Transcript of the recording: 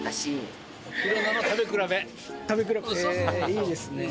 いいですね。